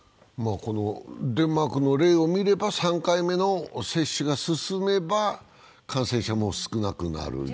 デンマークの例を見れば、３回目の接種が進めば感染者も少なくなる。